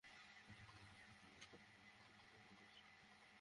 Plus one সাময়িকীতে প্রাণীটিকে নিয়ে সম্প্রতি একটি গবেষণা প্রতিবেদন প্রকাশিত হয়েছে।